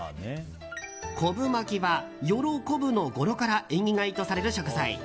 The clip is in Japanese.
昆布巻きは「喜ぶ」の語呂から縁起がいいとされる食材。